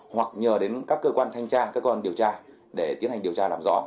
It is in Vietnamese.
hoặc nhờ đến các cơ quan thanh tra cơ quan điều tra để tiến hành điều tra làm rõ